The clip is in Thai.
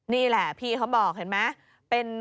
นี่แหละพี่เขาบอกเห็นไหม